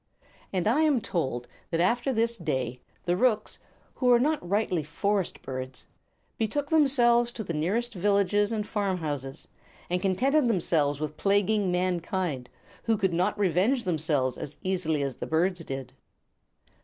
And I am told that after this day the rooks, who are not rightly forest birds, betook themselves to the nearest villages and farm houses, and contented themselves with plaguing mankind, who could not revenge themselves as easily as the birds did.